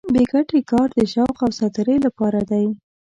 بې ګټې کار د شوق او ساتېرۍ لپاره دی.